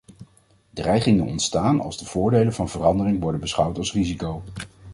Dreigingen ontstaan als de voordelen van verandering worden beschouwd als risico’s.